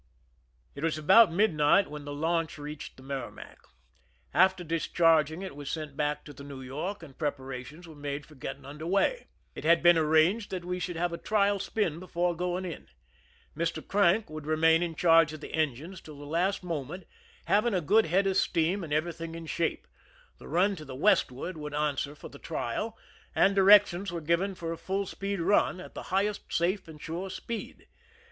It was about midnight when the launch reached the Merrimac. After discharging, it was sent back to the New York, and preparations were made for getting und<3r way. It had been arranged that we should have a trial spin before going in. Mr. Crank would remain in charge of the engines till the last moment, ha^dng a good head of steam and every thing in shape. The run to the westward would answer for the trial, and directions were given for a full speed run, at the highest safe and sure speed.